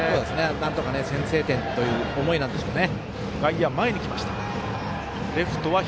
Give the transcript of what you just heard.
なんとか先制点という思いでしょうね。